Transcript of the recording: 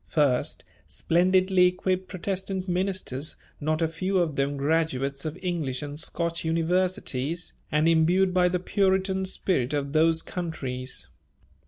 First, splendidly equipped Protestant ministers, not a few of them graduates of English and Scotch universities and imbued by the Puritan spirit of those countries.